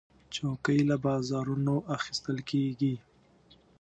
چوکۍ له بازارونو اخیستل کېږي.